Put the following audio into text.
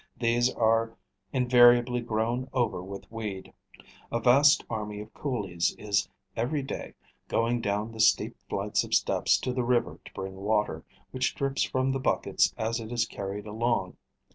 These are invariably grown over with weed. A vast army of coolies is every day going down the steep flights of steps to the river to bring water, which drips from the buckets as it is carried along.